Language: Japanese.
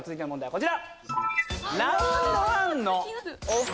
こちら。